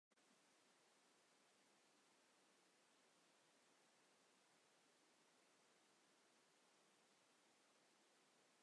ঘরোয়া ক্রিকেটে চমকপ্রদ ব্যাটিং করে রান সংগ্রহ করেছেন।